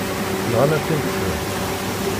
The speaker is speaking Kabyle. Nɣan-akent-ten.